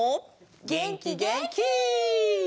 げんきげんき！